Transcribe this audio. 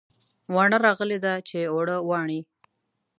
واڼه راغلې ده چې اوړه واڼي